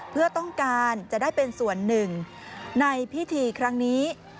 เพื่อต้องการจะได้เป็นส่วนหนึ่งในพิธีครั้งนี้